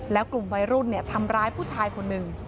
แล้วกลุ่มวัยรุ่นทำร้ายผู้ชายคนหนึ่ง